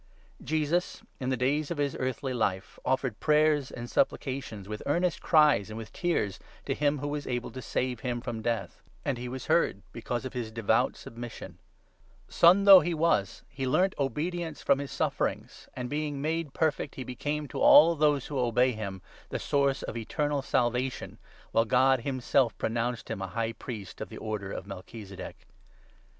Jesus, in the days of his earthly life, offered prayers and supplica 7 tions, with earnest cries and with tears, to him who was able to save him from death ; and he was heard because of his 10 Gen. 2. 2. lO u Ps. 95. u. » Ps. a. 7. 6 ps. II0. 4. 436 HEBREWS, 5 6. devout submission. Son though he was, he learnt obedience 8 from his sufferings ; and, being made perfect, he became to all 9 those who obey him the source of eternal Salvation, while God himself pronounced him a High Priest of the order of 10 Melchizedek.